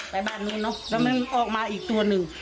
ไปบ้านนู้นเนอะแล้วมันออกมาอีกตัวหนึ่ง